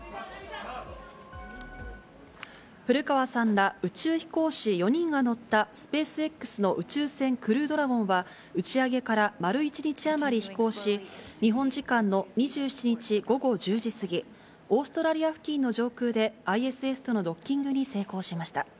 古川さんら宇宙飛行士４人が乗ったスペースＸの宇宙船クルードラゴンは、打ち上げから丸１日余り飛行し、日本時間の２７日午後１０時過ぎ、オーストラリア付近の上空で、ＩＳＳとのドッキングに成功しました。